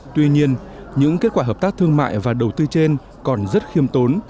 tuy nhiên những kết quả hợp tác thương mại và đầu tư trên còn rất khiêm tốn